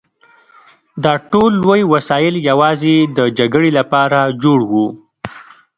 دا ټول لوی وسایل یوازې د جګړې لپاره جوړ وو